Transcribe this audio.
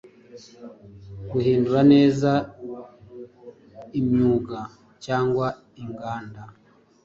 Guhindura neza imyuga cyangwa inganda